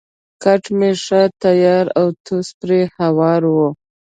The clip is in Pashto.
کټ مې ښه تیار او توس پرې هوار وو.